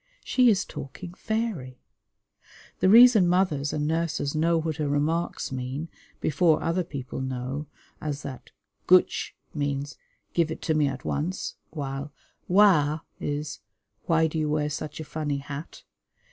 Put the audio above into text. She is talking fairy. The reason mothers and nurses know what her remarks mean, before other people know, as that "Guch" means "Give it to me at once," while "Wa" is "Why do you wear such a funny hat?"